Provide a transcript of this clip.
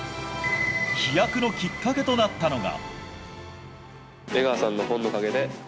飛躍のきっかけとなったのが。